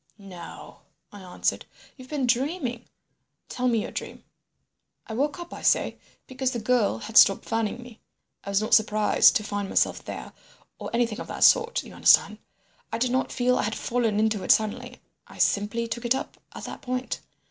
"No," I answered. "You've been dreaming. Tell me your dream." "I woke up, I say, because the girl had stopped fanning me. I was not surprised to find myself there or anything of that sort, you understand. I did not feel I had fallen into it suddenly. I simply took it up at that point.